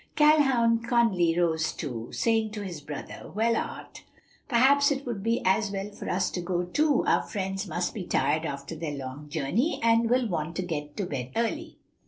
Calhoun Conly rose also, saying to his brother, "Well, Art, perhaps it would be as well for us to go, too; our friends must be tired after their long journey, and will want to get to bed early."